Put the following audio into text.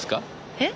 えっ？